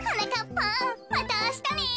ぱんまたあしたね。